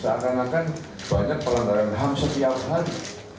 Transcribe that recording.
seakan akan banyak pelanggaran ham setiap hari